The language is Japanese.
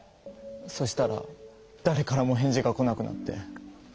そしたらだれからも返事が来なくなって。